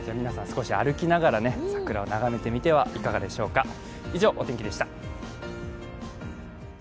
皆さん、少し歩きながら桜を眺めてみてはいかがでしょうか。